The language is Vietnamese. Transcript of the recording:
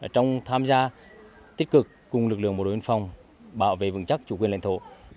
trong tham gia tích cực cùng lực lượng bộ đội biên phòng bảo vệ vững chắc chủ quyền lãnh thổ